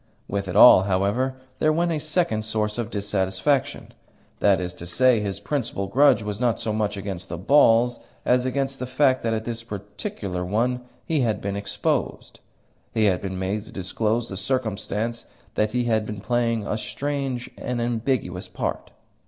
With it all, however, there went a second source of dissatisfaction. That is to say, his principal grudge was not so much against balls as against the fact that at this particular one he had been exposed, he had been made to disclose the circumstance that he had been playing a strange, an ambiguous part.